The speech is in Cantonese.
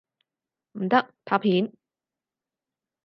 唔得，拍片！